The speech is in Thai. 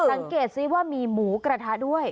สังเกตซิว่ามีหมูกระทะด้วย